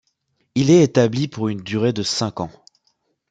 Il est établi pour une durée de cinq ans.